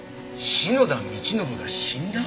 篠田道信が死んだ？